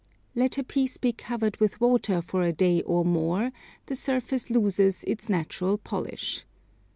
Let a piece be covered with water for a day or more, the surface loses its natural polish.